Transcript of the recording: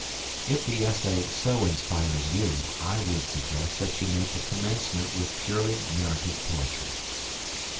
If the essay so inspires you I would suggest that you make a commencement with purely narrative poetry.